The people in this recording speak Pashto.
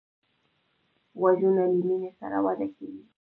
غوږونه له مینې سره وده کوي